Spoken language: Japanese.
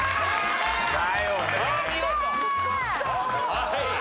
はい。